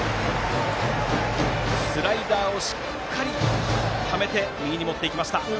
スライダーをしっかりためて右に持っていきました。